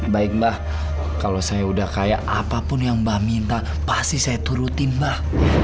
baik mbah kalau saya udah kayak apapun yang mbah minta pasti saya turutin mbah